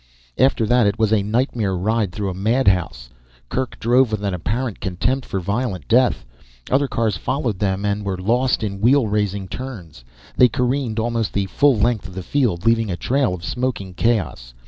After that it was a nightmare ride through a madhouse. Kerk drove with an apparent contempt for violent death. Other cars followed them and were lost in wheel raising turns. They careened almost the full length of the field, leaving a trail of smoking chaos.